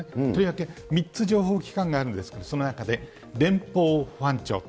とりわけ３つ情報機関があるんですが、その中で、連邦保安庁